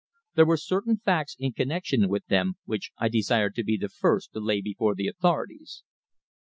There were certain facts in connection with them, which I desired to be the first to lay before the authorities."